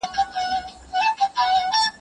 لارښود استاد د مقالې ژبه نه سموي.